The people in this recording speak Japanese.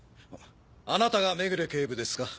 あなたが目暮警部ですか？